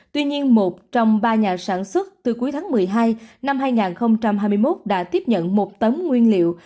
tuy nhiên một trong ba nhà sản xuất từ cuối tháng một mươi hai năm hai nghìn hai mươi một đã tiếp nhận một tấm nguyên liệu